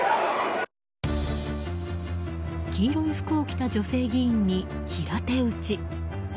黄色い服を着た女性議員に平手打ち。